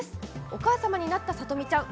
お母様になったさとみちゃん。